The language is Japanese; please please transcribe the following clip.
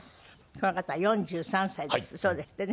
この方は４３歳だそうですってね。